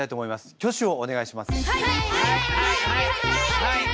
挙手をお願いします。